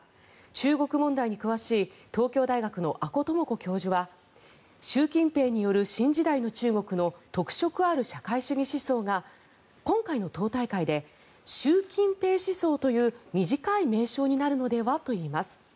中国問題に詳しい東京大学の阿古智子教授は習近平による新時代の中国の特色ある社会主義思想が今回の党大会で習近平思想という短い名称になるのではといいます。